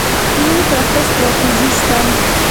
د ملي پراختیا ستراتیژي شته؟